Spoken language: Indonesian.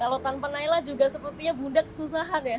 kalau tanpa naila juga sepertinya bunda kesusahan ya